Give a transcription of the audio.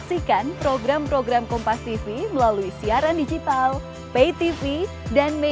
tujuh puluh juta tersebar di tujuh belas pulau dari sabang sampai merauke